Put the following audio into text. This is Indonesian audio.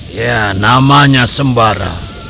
ya namanya sembara